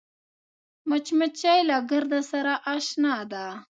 مچمچۍ له ګرده سره اشنا ده